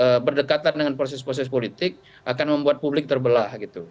kalau berdekatan dengan proses proses politik akan membuat publik terbelah gitu